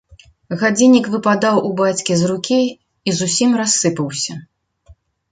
Гадзіннік выпадаў у бацькі з рукі і зусім рассыпаўся.